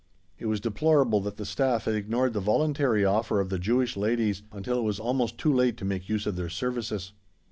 It was deplorable that the Staff had ignored the voluntary offer of the Jewish ladies until it was almost too late to make use of their services.